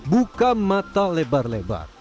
buka mata lebar lebar